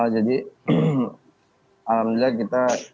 jadi alhamdulillah kita